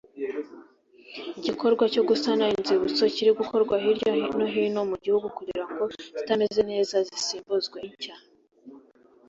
igikorwa cyo gusana inzibutso kiri gukorwa hirya no hino mu gihigu kugira ngo izitameze neza zisimbuzwe inshya